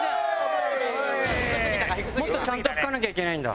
もっとちゃんと吹かなきゃいけないんだ。